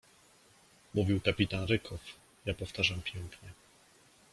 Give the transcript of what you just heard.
Mówił kapitan Rykow, ja powtarzam pięknie